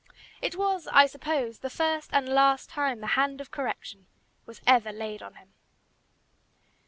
It was, I suppose, the first and last time the hand of correction was ever laid on him.